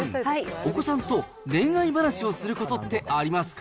お子さんと恋愛話をすることってありますか？